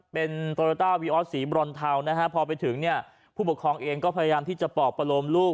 เป็นสีนะฮะพอไปถึงเนี่ยผู้ปกครองเองก็พยายามที่จะปอกประโลมลูก